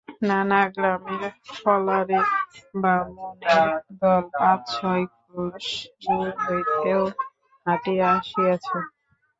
নানা গ্রামের ফলারে বামুনের দল পাঁচ-ছয় ক্রোশ দূর হইতেও হ্যাঁটিয়া আসিয়াছে।